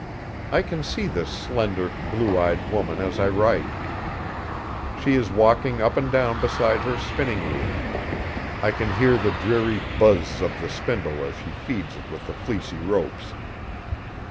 I can see this slender, blue eyed woman as I write. She is walking up and down beside her spinning wheel. I can hear the dreary buz z z z of the spindle as she feeds it with the fleecy ropes.